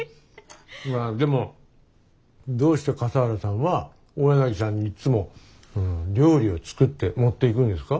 でもどうして笠原さんは大柳さんにいっつも料理を作って持っていくんですか？